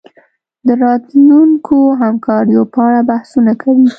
د راتلونکو همکاریو په اړه بحثونه کوي